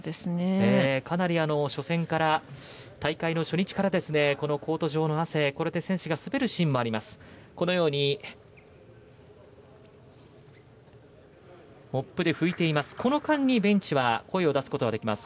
かなり初戦から、大会の初日からこのコート上の汗、これで選手が滑るシーンもあります。